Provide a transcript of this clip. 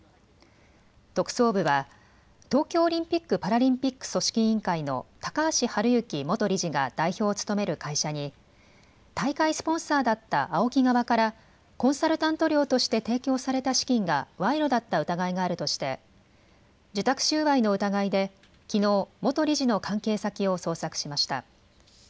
特捜部は東京オリンピック・パラリンピック組織委員会の高橋治之元理事が代表を務める会社に大会スポンサーだったＡＯＫＩ側からコンサルタント料として提供された資金が賄賂だった疑いがあるとして受託収賄の疑いできのう元理事の関係先を捜索しました。